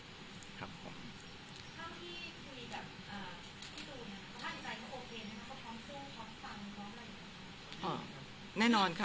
ถ้าเมื่อที่คุยกับพี่ตูนกำลังใจเขาโอเคนะครับ